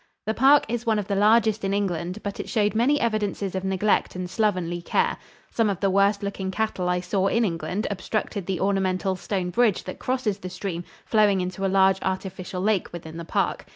The park is one of the largest in England, but it showed many evidences of neglect and slovenly care. Some of the worst looking cattle I saw in England obstructed the ornamental stone bridge that crosses the stream flowing into a large artificial lake within the park.